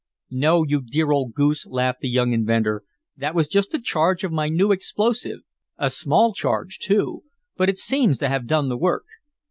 "No, you dear old goose!" laughed the young inventor. "That was just a charge of my new explosive a small charge, too. But it seems to have done the work."